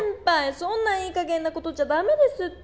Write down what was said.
そんないいかげんなことじゃダメですって！